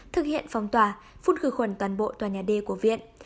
thực hiện phong tòa phun khử khuẩn toàn bộ tòa nhà đê của viện